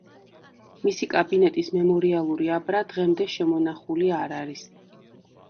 მისი კაბინეტის მემორიალური აბრა დღემდე შემონახული არ არის.